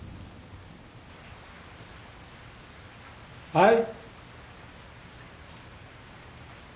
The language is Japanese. ・はい？